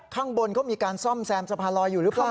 ข้างบนเขามีการซ่อมแซมสะพานลอยอยู่หรือเปล่า